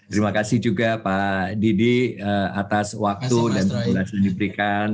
terima kasih juga pak didi atas waktu dan pelan pelan